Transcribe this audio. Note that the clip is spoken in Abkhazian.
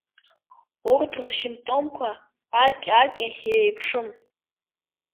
Урҭ рсимтомқәа аки-аки еиԥшым.